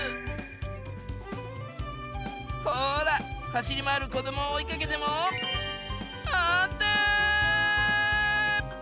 ほら走り回る子どもを追いかけても安定！